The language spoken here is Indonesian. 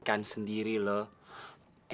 ikan sendiri loh